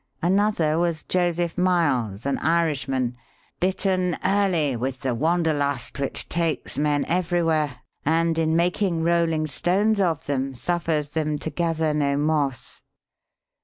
Another was Joseph Miles, an Irishman, bitten early with the 'wanderlust' which takes men everywhere, and in making rolling stones of them, suffers them to gather no moss.